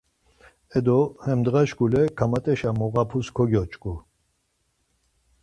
Edo, hem ndğa şkule karmat̆eşa moğapus kogyoç̌ǩu.